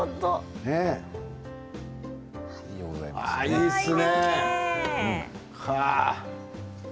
いいですね。